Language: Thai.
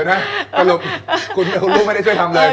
เดี๋ยวนะคุณลูกไม่ได้ช่วยทำเลย